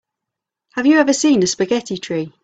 Have you ever seen a spaghetti tree?